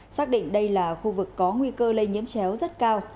xác định đây là khu vực có nguy cơ lây nhiễm chéo rất cao